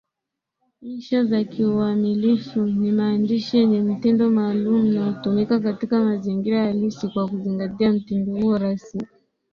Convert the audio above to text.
Insha za kiuamilifu ni maandishi yenye mtindo maalum na hutumika katika mazingira halisi kwa kuzingatia mtindo huo rasmi.